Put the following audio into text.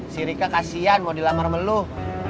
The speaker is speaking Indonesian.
si rika kasihan mau dilamar meluh